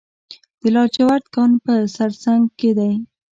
د لاجورد کان په سرسنګ کې دی